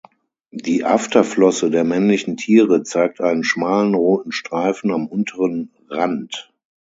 Die Afterflosse der männlichen Tiere zeigt einen schmalen roten Streifen am unteren Rand.